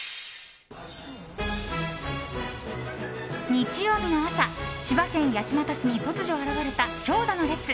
日曜日の朝、千葉県八街市に突如現れた長蛇の列。